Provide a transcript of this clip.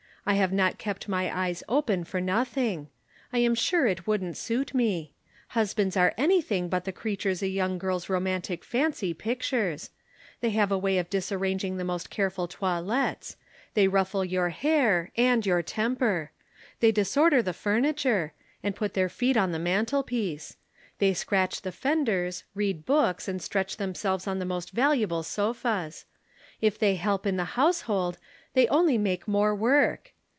I have not kept my eyes open for nothing. I am sure it wouldn't suit me. Husbands are anything but the creatures a young girl's romantic fancy pictures. They have a way of disarranging the most careful toilettes. They ruffle your hair and your temper. They disorder the furniture and put their feet on the mantelpiece. They scratch the fenders, read books and stretch themselves on the most valuable sofas. If they help in the household they only make more work.